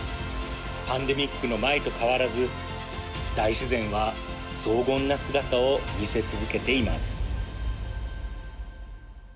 パンデミックの前と変わらず大自然は荘厳な姿を見せ続けています。